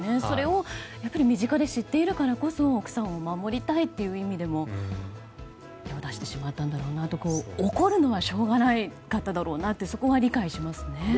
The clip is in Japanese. それを身近で知っているからこそ奥さんを守りたいという意味でも手を出してしまったんだろうなと怒るのはしょうがなかっただろうなとそこは理解しますね。